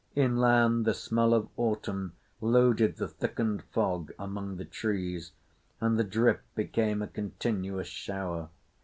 Inland the smell of autumn loaded the thickened fog among the trees, and the drip became a continuous shower.